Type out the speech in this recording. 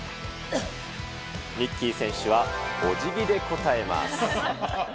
ミッキー選手はおじぎで応えます。